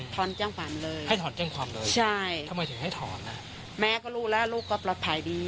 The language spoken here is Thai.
ถอนแจ้งความเลยใช่แม่ก็รู้ลูกก็ปลอดภัยดี